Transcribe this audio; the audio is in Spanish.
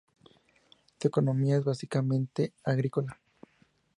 Su economía es básicamente agrícola.